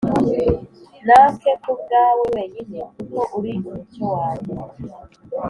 Nake kubwawe wenyine kuko uri umucyo wanjye